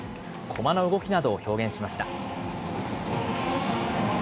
駒の動きなどを表現しました。